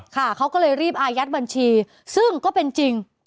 ค่ะเขาก็เลยรีบอายัดบัญชีซึ่งก็เป็นจริง